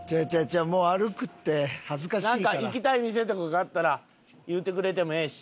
なんか行きたい店とかがあったら言うてくれてもええし。